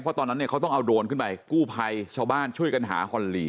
เพราะตอนนั้นเนี่ยเขาต้องเอาโดรนขึ้นไปกู้ภัยชาวบ้านช่วยกันหาฮอนลี